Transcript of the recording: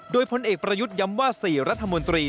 โดยพลเอกประยุทธ์ย้ำว่า๔รัฐมนตรี